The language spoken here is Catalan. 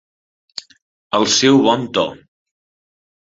El seu bon to.